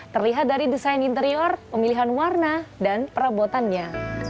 terlihat dari desain interior pemilihan warna dan perabotannya